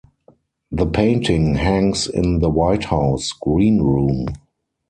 The painting hangs in the White House Green Room.